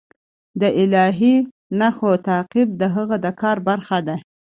د الهي نښو تعقیب د هغه د کار برخه ده.